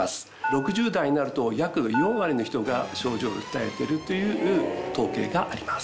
６０代になると約４割の人が症状を訴えてるという統計があります。